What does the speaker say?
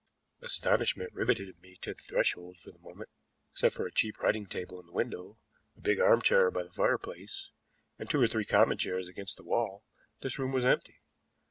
Astonishment riveted me to the threshold for the moment. Except for a cheap writing table in the window, a big arm chair by the fireplace, and two or three common chairs against the wall, this room was empty.